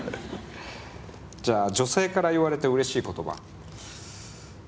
じゃあ女性から言われてうれしい言葉。